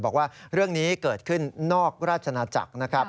บอกว่าเรื่องนี้เกิดขึ้นนอกราชนาจักรนะครับ